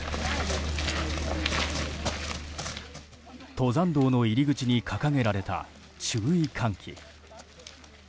登山道の入り口に掲げられた注意喚起。